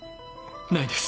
ないです。